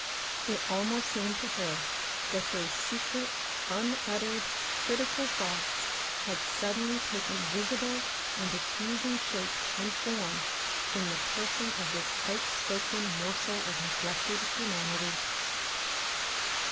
It almost seemed to her that those secret, unuttered, critical thoughts had suddenly taken visible and accusing shape and form in the person of this outspoken morsel of neglected humanity.